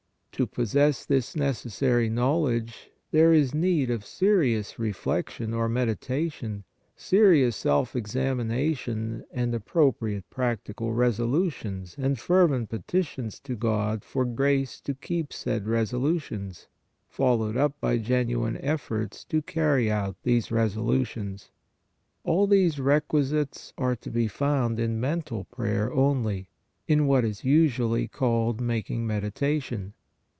To possess this necessary knowledge, there is need of serious reflection or meditation, serious 154 PRAYER self examination and appropriate practical resolu tions and fervent petitions to God for grace to keep said resolutions, followed up by genuine efforts to carry out these resolutions. All these requisites are to be found in mental prayer only, in what is usually called making meditation.